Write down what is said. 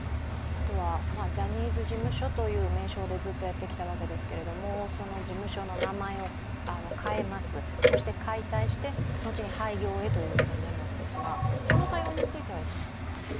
ジャニーズ事務所という名称でずっとやってきたわけですけれども、その事務所の名前を変えます、そして解体して後に廃業へということになるわけですがこの対応についてはいかがですか？